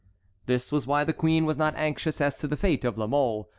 This was why the queen was not anxious as to the fate of La Mole.